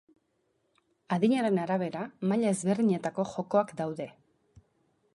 Adinaren arabera, maila ezberdinetako jokoak daude.